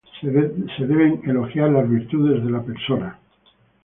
Se deben elogiar las virtudes de la persona.